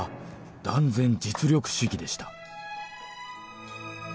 「断然実力主義でした」